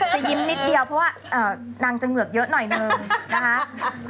จะยิ้มนิดเดียวเพราะว่านางจะเหงือกเยอะหน่อยนึงนะคะ